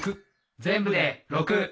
全部で６。